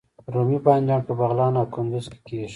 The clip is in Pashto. رومي بانجان په بغلان او کندز کې کیږي